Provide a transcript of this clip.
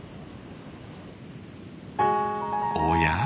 おや？